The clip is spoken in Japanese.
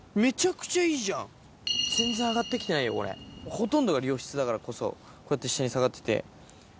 ほとんどが良質だからこそこうやって下に下がってて。